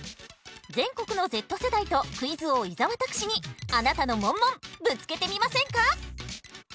全国のＺ世代とクイズ王伊沢拓司にあなたのモンモンぶつけてみませんか？